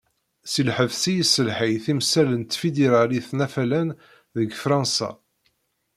Si lḥebs, i yesselḥay timsal n Tfidiralit n Afalan deg Fransa.